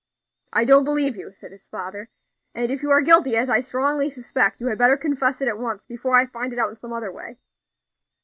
"I don't believe you," said his father; "and if you are guilty, as I strongly suspect, you had better confess it at once, before I find it out in some other way."